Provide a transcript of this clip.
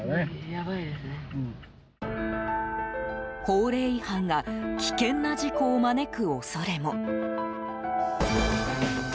法令違反が危険な事故を招く恐れも。